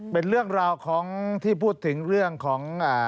เป็นเรื่องราวของที่พูดถึงเรื่องของ